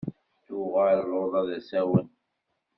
Tuɣal luḍa d asawen.